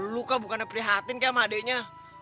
lu kah bukannya prihatin ke sama adeknya